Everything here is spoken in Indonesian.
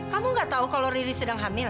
kamu gak tahu kalau riri sedang hamil